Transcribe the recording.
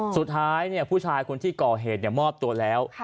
สุดท้ายผู้ชายคนที่ก่อเหตุมอบตัวแล้ว